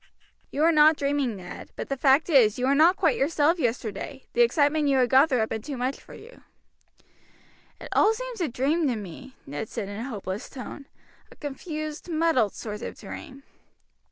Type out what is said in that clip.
"You are not dreaming, Ned; but the fact is, you were not quite yourself yesterday. The excitement you had gone through had been too much for you." "It all seems a dream to me," Ned said in a hopeless tone, "a confused, muddled sort of dream."